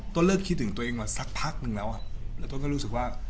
เลิกคิดถึงตัวเองมาสักพักนึงแล้วแล้วต้นก็รู้สึกว่า